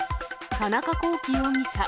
田中聖容疑者。